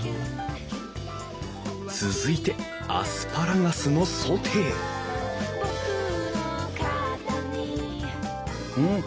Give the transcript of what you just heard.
続いてアスパラガスのソテーうん！